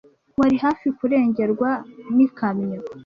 Wari hafi kurengerwa n'ikamyo.